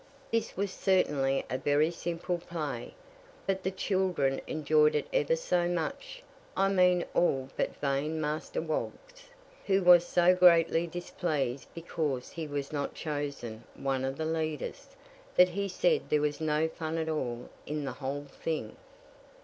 This was certainly a very simple play, but the children enjoyed it ever so much I mean all but vain Master Woggs, who was so greatly displeased because he was not chosen one of the leaders, that he said there was no fun at all in the whole thing.